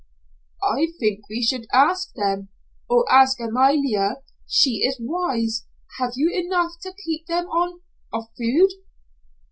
"I think we should ask them or ask Amalia, she is wise. Have you enough to keep them on of food?"